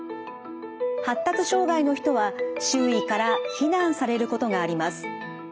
発達障害の人は周囲から非難されることがあります。